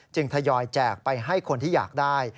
ทยอยแจกไปให้คนที่อยากได้